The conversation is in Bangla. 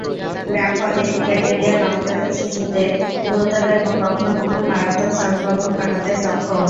গ্রাম-পজিটিভ ব্যাকটেরিয়া নবজাতক শিশুদের গুরুতর এবং কখনো কখনো মারাত্মক সংক্রমণ ঘটাতে সক্ষম।